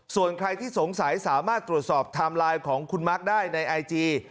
ส่วนใครที่สงสัยสามารถตรวจสอบไทม์ไลน์ของคุณมาร์คได้ในไอจี